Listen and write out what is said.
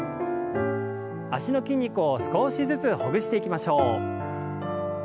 脚の筋肉を少しずつほぐしていきましょう。